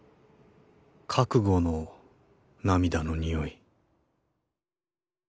覚悟の涙の匂い。